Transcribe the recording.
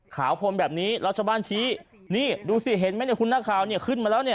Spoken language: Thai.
ขาวผมแบบนี้รัชบัญชีนี่ดูสิเห็นไหมเนี่ยคุณหน้าขาวเนี่ยขึ้นมาแล้วเนี่ย